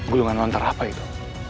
gulungan lontar apa itu